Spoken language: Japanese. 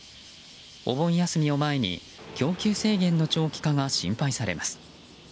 お盆休みを前に供給制限の長期化が心配されます。